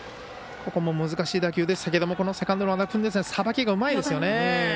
ここも難しい打球でしたがセカンドの和田君さばきがうまいですよね。